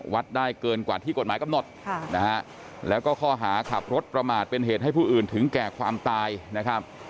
วัดได้เกินกว่าที่กฎหมายกำหนดนะฮะแล้วก็ข้อหาขับรถประมาทเป็นเหตุให้ผู้อื่นถึงแก่ความตายนะครับ